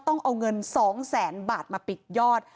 ต้องเอาเงิน๒แสนบาทมาปิดยอด